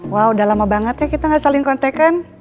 wow udah lama banget ya kita gak saling kontekan